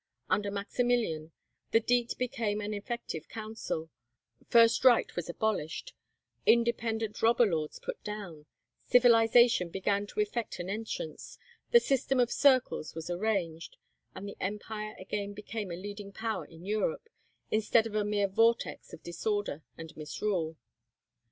Under Maximilian, the Diet became an effective council, fist right was abolished, independent robber lords put down, civilization began to effect an entrance, the system of circles was arranged, and the empire again became a leading power in Europe, instead of a mere vortex of disorder and misrule.